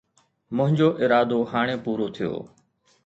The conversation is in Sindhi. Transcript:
منهنجو ارادو هاڻي پورو ٿيو